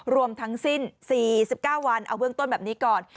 รวมทั้งสิ้น๔๙วันเอาเบื้องต้นแบบนี้ก่อน